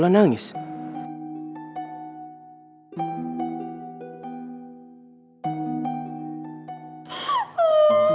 jangan jangan gue nangis